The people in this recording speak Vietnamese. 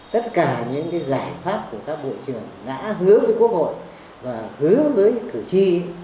tất cả những giải pháp của các bộ trưởng đã hứa với quốc hội và hứa với cử tri